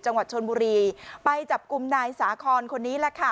จังหวัดชนบุรีไปจับกลุ่มนายสาคอนคนนี้แหละค่ะ